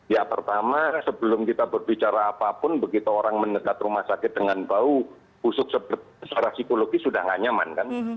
ya pertama sebelum kita berbicara apapun begitu orang mendekat rumah sakit dengan bau busuk secara psikologis sudah tidak nyaman kan